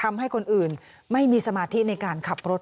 ทำให้คนอื่นไม่มีสมาธิในการขับรถ